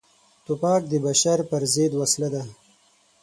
توپک د بشر پر ضد وسله ده.